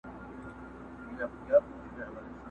o د جولا منډه تر موږي پوري وي!